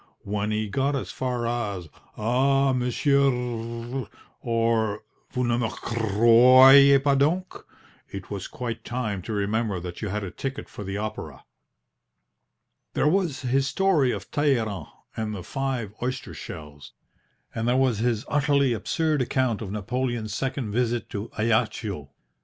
When he got as far as, "Ah, monsieur r r r rit!" or "Vous ne me cr r r royez pas donc!" it was quite time to remember that you had a ticket for the opera. There was his story of Talleyrand and the five oyster shells, and there was his utterly absurd account of Napoleon's second visit to Ajaccio.